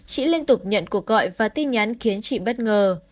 chị liên tục nhận cuộc gọi và tin nhắn khiến chị bất ngờ